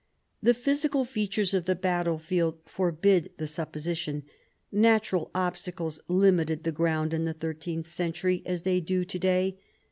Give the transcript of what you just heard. The physical features of the battlefield forbid the supposition. Natural obstacles limited the ground in the thirteenth century as they do to day.